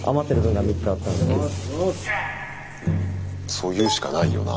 そう言うしかないよな。